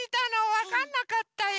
わかんなかったよ。